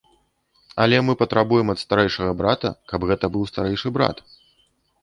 Але мы патрабуем ад старэйшага брата, каб гэта быў старэйшы брат.